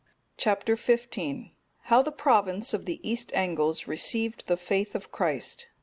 (244) Chap. XV. How the province of the East Angles received the faith of Christ.